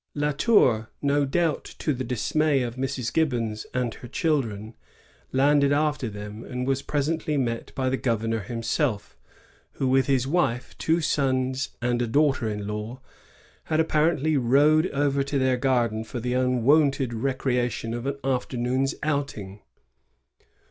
La Tour, no doubt to the dismay of Mrs. Gibbons and her children, landed after them, and was presently met by the governor himself, who, with his wife, two sons, and a daughter in law, had apparently rowed over to their garden for the unwonted recreation of an afternoon's outing.'